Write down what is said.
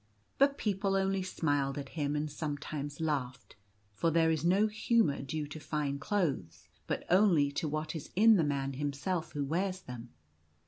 But people only smiled at him and sometimes laughed, for there is no honour due to fine clothes, but only to what is in the man himself who wears them.